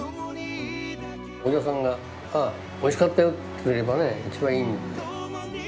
お客さんが、あー、おいしかったよって言ってくれればね、一番いい。